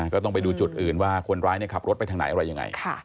ก็ต้องไปดูจุดอื่นว่าคนร้ายขับรถไปทางไหนอะไรยังไง